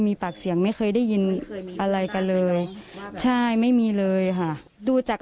มีปากเสียงไม่เคยได้ยินอะไรกันเลยใช่ไม่มีเลยค่ะดูจาก